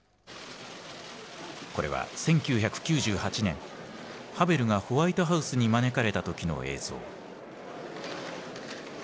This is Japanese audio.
これは１９９８年ハヴェルがホワイトハウスに招かれた時の映像。